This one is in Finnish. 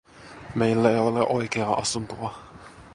Meillä ei ole oikeaa asuntoa.